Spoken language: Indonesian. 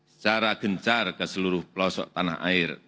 secara gencar ke seluruh pelosok tanah air